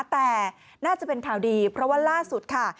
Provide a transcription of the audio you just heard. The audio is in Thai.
แต่น่าจะเป็นข่าวดีเพราะว่าล่าสุดค่ะ